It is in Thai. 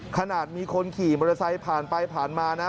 ขนาดมีคนขี่มอเตอร์ไซค์ผ่านไปผ่านมานะ